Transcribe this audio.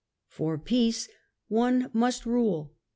" For peace one must rule.